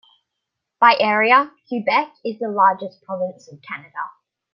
By area, Quebec is the largest province of Canada.